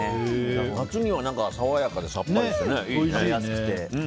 夏には爽やかでさっぱりしていいですね。